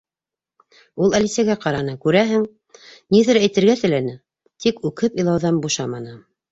Ул Әлисәгә ҡараны —күрәһең, ниҙер әйтергә теләне, тик үкһеп илауҙан бушаманы.